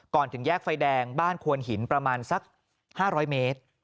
ถึงแยกไฟแดงบ้านควนหินประมาณสัก๕๐๐เมตร